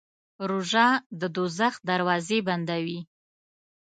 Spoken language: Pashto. روژه د دوزخ دروازې بندوي.